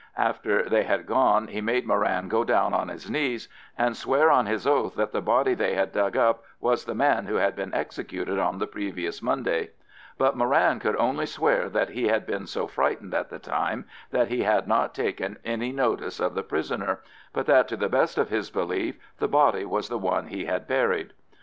After they had gone he made Moran go down on his knees and swear on his oath that the body they had dug up was the man who had been executed on the previous Monday; but Moran could only swear that he had been so frightened at the time that he had not taken any notice of the prisoner, but that to the best of his belief the body was the one he had buried.